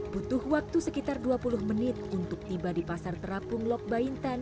butuh waktu sekitar dua puluh menit untuk tiba di pasar terapung lok baintan